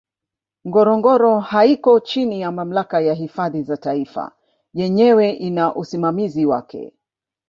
ngorongoro haiko chini ya mamlaka ya hifadhi za taifa yenyewe ina usimamizi wake